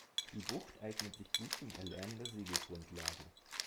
Die Bucht eignet sich gut zum Erlernen der Segelgrundlagen.